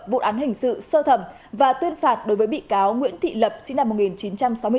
vụ án hình sự sơ thẩm và tuyên phạt đối với bị cáo nguyễn thị lập sinh năm một nghìn chín trăm sáu mươi bốn